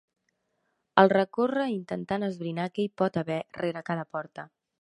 El recorre intentant esbrinar què hi pot haver rere cada porta.